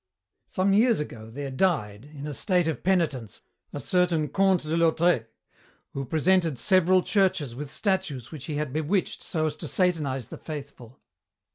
Some years ago there died, in a state of penitence, a certain comte de Lautree, who presented several churches with statues which he had bewitched so as to satanize the faithful.